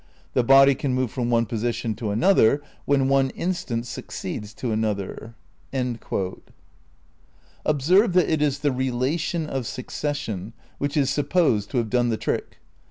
" 'The body can move from one position to another when one instant succeeds to another*." ' Observe that it is the relation of succession which is supposed to have done the trick.